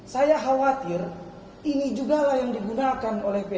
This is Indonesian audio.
saya khawatir ini juga lah yang digunakan oleh p tiga